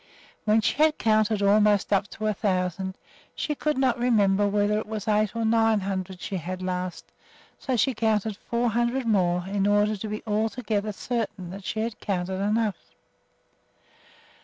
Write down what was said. When she had counted almost up to a thousand, she could not remember whether it was eight or nine hundred she had had last, so she counted four hundred more in order to be altogether certain that she had counted enough.